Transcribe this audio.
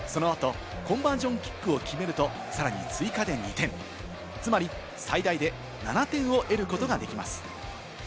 ラグビーではトライ５点、その後のコンバージョンキックを決めると、さらに追加で２点、つまり最大で７点を得ることができます。